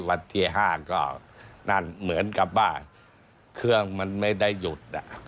วันที่๕ก็นั่นเหมือนกับว่าเครื่องมันไม่ได้หยุด